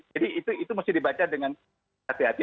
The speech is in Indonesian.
jadi itu mesti dibaca dengan hati hati